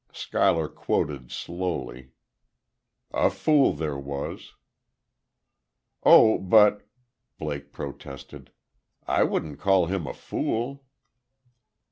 Schuyler quoted, slowly: "A fool there was " "Oh, but," Blake protested, "I wouldn't call him a fool."